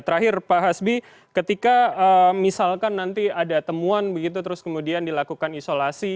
terakhir pak hasbi ketika misalkan nanti ada temuan begitu terus kemudian dilakukan isolasi